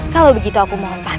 kalau begitu aku mohon